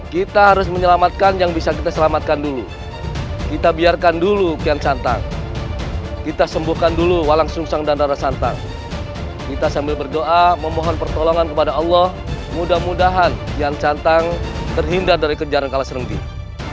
kita harus menyelamatkan yang bisa kita selamatkan dulu kita biarkan dulu kian santang kita sembuhkan dulu walang sungsang dan darah santang kita sambil berdoa memohon pertolongan kepada allah mudah mudahan kian cantang terhindar dari kejaran kalas renggih